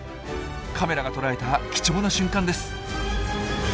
カメラが捉えた貴重な瞬間です。